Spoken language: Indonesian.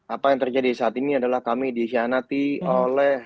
apa yang terjadi saat ini adalah kami dikhianati oleh